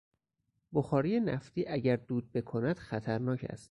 بخاری نفتی اگر دود بکند خطر ناک است.